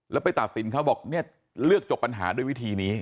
แล้วไปตัดสินเขาบอกเนี่ยเลือกจบปัญหาด้วยวิธีนี้